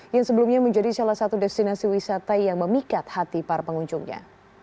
yang sebelumnya menjadi salah satu destinasi wisata yang memikat hati para pengunjungnya